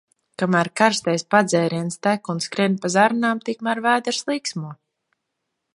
Kamēr karstais padzēriens tek un skrien pa zarnām, tikmēr vēders līksmo.